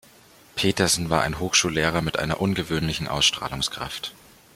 Petersen war ein Hochschullehrer mit einer ungewöhnlichen Ausstrahlungskraft.